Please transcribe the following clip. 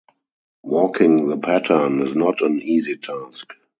Walking the Pattern is not an easy task.